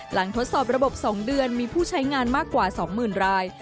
ทดสอบระบบ๒เดือนมีผู้ใช้งานมากกว่า๒๐๐๐ราย